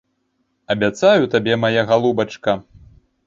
Абяцаю табе, мая галубачка.